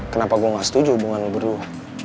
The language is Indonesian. kenapa gue gak setuju hubungan gue berdua